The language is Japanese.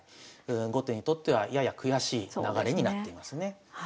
後手にとってはやや悔しい流れになっていますね。